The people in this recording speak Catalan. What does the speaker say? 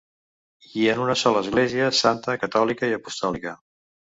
I en una sola Església, santa, catòlica i apostòlica.